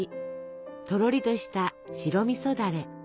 とろりとした白みそだれ。